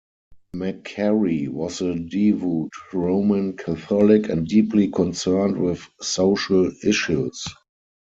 McCarey was a devout Roman Catholic and deeply concerned with social issues.